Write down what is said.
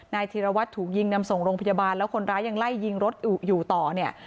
ธีรวัตรถูกยิงนำส่งโรงพยาบาลแล้วคนร้ายยังไล่ยิงรถอยู่ต่อเนี่ย